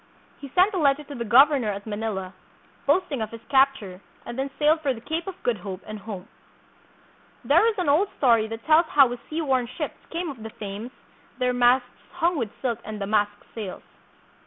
He sent a letter to the governor at Manila, boast ing of his capture, and then sailed for the Cape of Good Hope and home. There is an old story that tells how his seaworn ships came up the Thames, their masts hung with silk and damask sails.